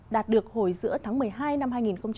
đạt được hồi giữa tháng một mươi hai năm hai nghìn một mươi bảy